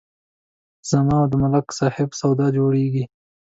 زما او د ملک صاحب سودا جوړېږي